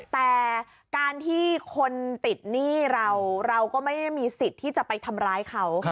แต่การที่คนติดหนี้เราเราก็ไม่ได้มีสิทธิ์ที่จะไปทำร้ายเขา